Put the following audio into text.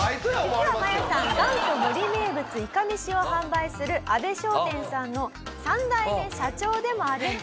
実はマヤさん元祖森名物いかめしを販売する阿部商店さんの３代目社長でもあるんです。